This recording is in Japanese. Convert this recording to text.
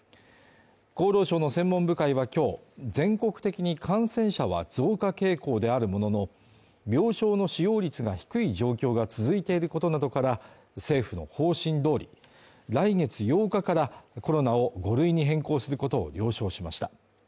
厚労省の専門部会は今日、全国的に感染者は増加傾向であるものの病床の使用率が低い状況が続いていることなどから、政府の方針通り、来月８日からコロナを５類に変更することを了承しました。